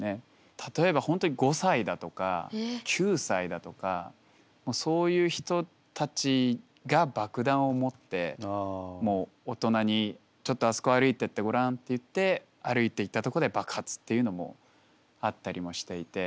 例えば本当に５歳だとか９歳だとかそういう人たちが爆弾を持ってもう大人に「ちょっとあそこ歩いてってごらん」って言って歩いていったとこで爆発っていうのもあったりもしていて。